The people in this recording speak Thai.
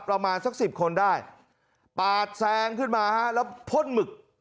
ประมาณสักสิบคนได้ปาดแซงขึ้นมาฮะแล้วพ่นหมึก